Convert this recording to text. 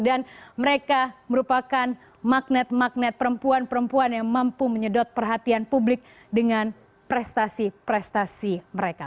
dan mereka merupakan magnet magnet perempuan perempuan yang mampu menyedot perhatian publik dengan prestasi prestasi mereka